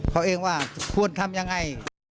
เขาเองว่าควรทำยังไง